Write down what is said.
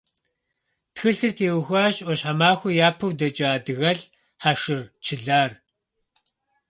Тхылъыр теухуащ Ӏуащхьэмахуэ япэу дэкӀа адыгэлӀ Хьэшыр Чылар.